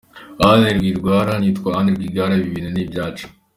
Anne Rwigara : “Nitwa Anne Rwigara, ibi bintu ni ibyacu”.